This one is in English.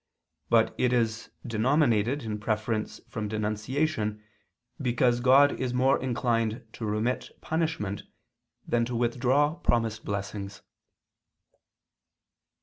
But it is denominated in preference from denunciation, because God is more inclined to remit punishment than to withdraw promised blessings.